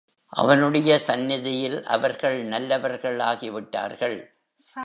அவனுடைய சந்நிதியில் அவர்கள் நல்லவர்கள் ஆகிவிட்டார்கள்.